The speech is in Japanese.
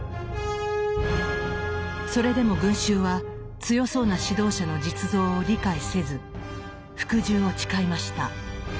それでも群衆は強そうな指導者の実像を理解せず服従を誓いました。